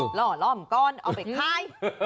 หล่อล่อมก่อนเอาไปขาย